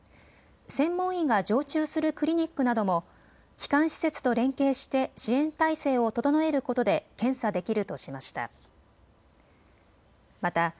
専門医が常駐するクリニックなども基幹施設と連携して支援体制を整えることで検査できるとしました。